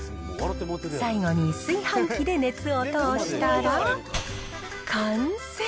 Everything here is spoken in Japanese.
最後に炊飯器で熱を通したら、完成。